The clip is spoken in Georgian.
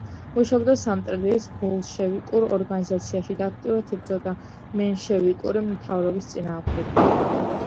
მუშაობდა სამტრედიის ბოლშევიკურ ორგანიზაციაში და აქტიურად იბრძოდა მენშევიკური მთავრობის წინააღმდეგ.